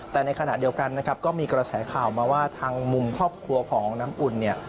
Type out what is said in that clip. แต่ในขณะเดียวกันนะครับก็มีกระแสข่าวมาว่าทางมุมครอบครัวของน้ำอุ่นเนี่ย